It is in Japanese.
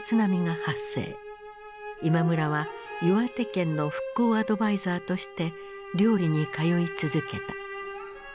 今村は岩手県の復興アドバイザーとして綾里に通い続けた。